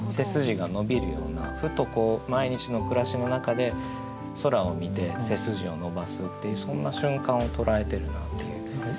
ふと毎日の暮らしの中で空を見て背筋を伸ばすっていうそんな瞬間を捉えてるなっていう。